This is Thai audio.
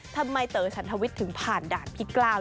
ทำไมเต๋อฉันทวิทย์ถึงผ่านด่านพี่กล้าว